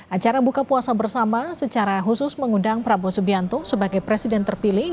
acara buka puasa bersama secara khusus mengundang prabowo subianto sebagai presiden terpilih